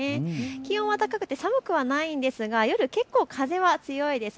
気温は高くて寒くはないんですが夜、結構、風は強いです。